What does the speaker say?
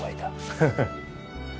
ハハッ。